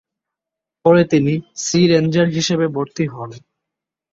পরে তিনি sea ranger হিসাবে ভর্তি হন।